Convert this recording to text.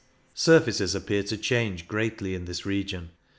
Surfaces appear to change greatly in this region.